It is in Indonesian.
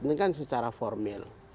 ini kan secara formal